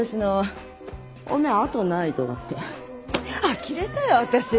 あきれたよ私。